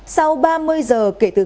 sau ba mươi giờ kể từ khi tiệm vàng bị cướp